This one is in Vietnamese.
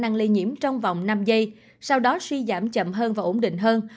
năng lây nhiễm trong vòng năm giây sau đó suy giảm chậm hơn và ổn định hơn